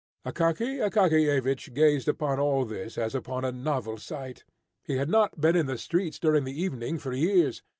Akaky Akakiyevich gazed upon all this as upon a novel sight. He had not been in the streets during the evening for years.